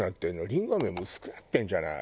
りんご飴も薄くなってるんじゃない？